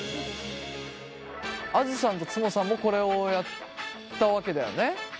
あづさんとつもさんもこれをやったわけだよね。